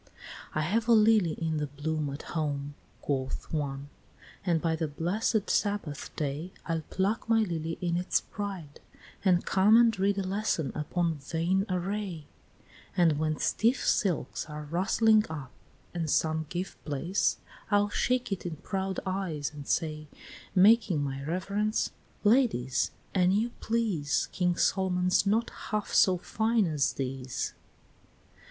VII. "I have a lily in the bloom at home," Quoth one, "and by the blessed Sabbath day I'll pluck my lily in its pride, and come And read a lesson upon vain array; And when stiff silks are rustling up, and some Give place, I'll shake it in proud eyes and say Making my reverence, 'Ladies, an you please, King Solomon's not half so fine as these,'" VIII.